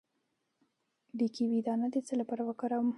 د کیوي دانه د څه لپاره وکاروم؟